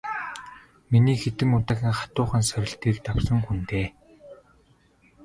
Миний хэдэн удаагийн хатуухан сорилтыг давсан хүн дээ.